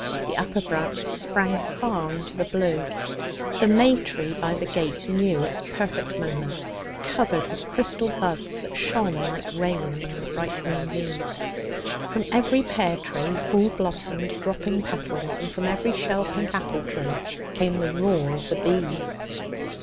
The upper branches sprang far into the blue. The may tree by the gate knew its perfect moment, covered with crystal buds that shone like rain among the bright green leaves. From every pear tree full blossomed, dropping petals and from every shell pink apple tree came the roar of the bees.